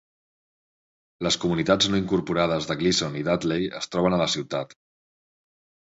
Les comunitats no incorporades de Gleason i Dudley es troben a la ciutat.